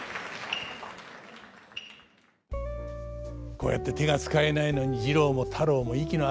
こうやって手が使えないのに次郎も太郎も息の合った踊り。